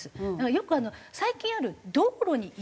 よく最近ある道路に色を塗る？